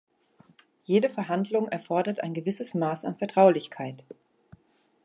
Jede Verhandlung erfordert ein gewisses Maß an Vertraulichkeit.